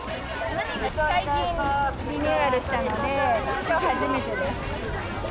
最近、リニューアルしたので、きょう初めて。